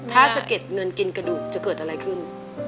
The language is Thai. ถ้าสะเก็ดเงินกินกระดูกจะเกิดอะไรขึ้น